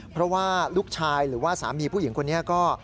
เพราะว่าลูกชายหรือว่าสามีผู้หญิงคนนี้ก็